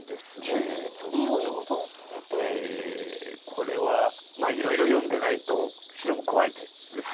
これはいろいろ読んでないと白も怖い手です。